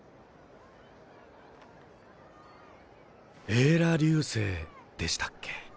エーラ流星でしたっけ？